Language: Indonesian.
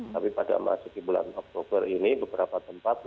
tapi pada masing masing bulan oktober ini beberapa tempatnya